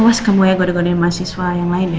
awas kamu ya gode godenin mahasiswa yang lain ya